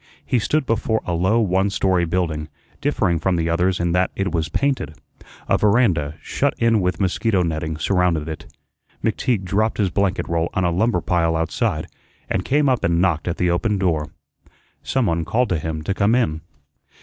He stood before a low one story building, differing from the others in that it was painted. A verandah, shut in with mosquito netting, surrounded it. McTeague dropped his blanket roll on a lumber pile outside, and came up and knocked at the open door. Some one called to him to come in.